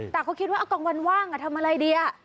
แต่เขาคิดว่ากลางวันว่างทำอะไรดี